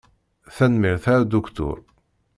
Tanemmirt a Aduktur.